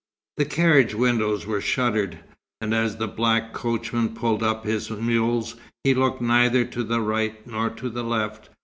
The carriage windows were shuttered, and as the black coachman pulled up his mules, he looked neither to the right nor to the left.